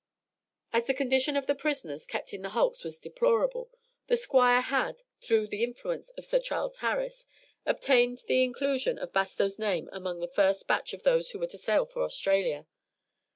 As the condition of the prisoners kept in the hulks was deplorable, the Squire had, through the influence of Sir Charles Harris, obtained the inclusion of Bastow's name among the first batch of those who were to sail for Australia.